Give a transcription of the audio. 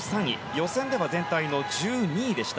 予選では全体の１２位でした。